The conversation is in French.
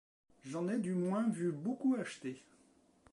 J’en ai du moins vu beaucoup acheter.